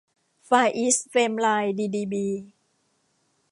ฟาร์อีสท์ เฟมไลน์ ดีดีบี